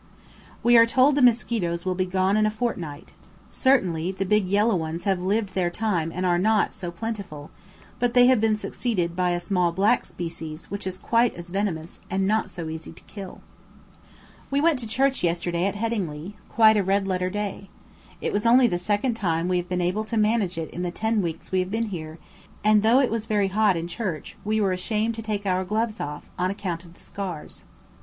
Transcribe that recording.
We are told the mosquitoes will be gone in a fortnight; certainly the big yellow ones have lived their time and are, not so plentiful, but they have been succeeded by a small black species which is quite as venomous, and not so easy to kill. We went to Church yesterday at Headingley: quite a red letter day. It was only the second time we have been able to manage it in the ten weeks we have been here; and though it was very hot in Church we were ashamed to take our gloves off, on account of the scars.